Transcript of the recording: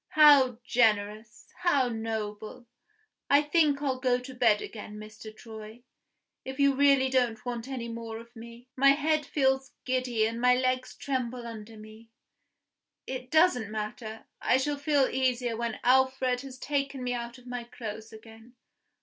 How generous! how noble! I think I'll go to bed again, Mr. Troy, if you really don't want any more of me. My head feels giddy and my legs tremble under me. It doesn't matter; I shall feel easier when Alfred has taken me out of my clothes again.